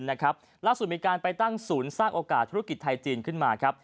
ล่าสุดมีการไปตั้งศูนย์สร้างโอกาสธุรกิจไทยจีนขึ้นมาครับ